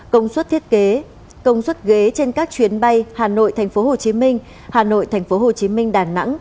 công suất thiết kế công suất ghế trên các chuyến bay hà nội tp hcm hà nội tp hcm đà nẵng